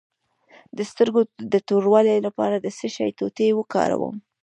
د سترګو د توروالي لپاره د څه شي ټوټې وکاروم؟